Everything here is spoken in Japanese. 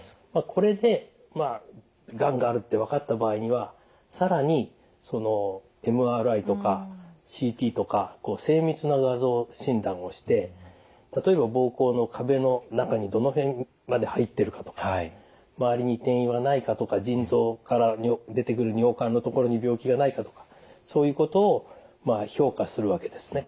これでがんがあるって分かった場合には更にＭＲＩとかＣＴとか精密な画像診断をして例えば膀胱の壁の中にどの辺まで入ってるかとか周りに転移はないかとか腎臓から出てくる尿管の所に病気がないかとかそういうことを評価するわけですね。